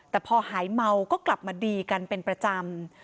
แต่พอหายเมาก็กลับมาดีกันเป็นประจำ